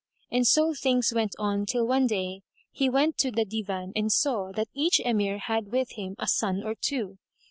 And so things went on till one day, he went to the Divan and saw that each Emir had with him a son or two.